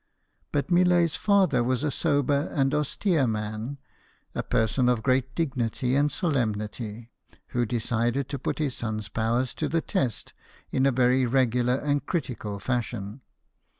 But Millet's father was a sober and austere man, a person of great dignity and solemnity, who decided to put his son's powers to the test in a very regular and critical fashion.